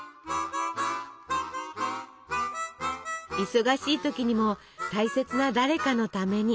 忙しい時にも大切な誰かのために。